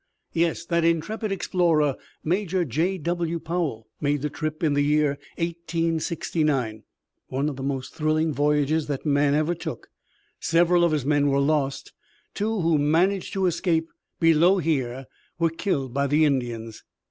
"Yes; that intrepid explorer, Major J.W. Powell, made the trip in the year 1869, one of the most thrilling voyages that man ever took. Several of his men were lost; two who managed to escape below here were killed by the Indians."